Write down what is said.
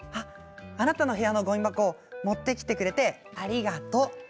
あなたの部屋のごみ箱を持ってきてくれて、ありがとう。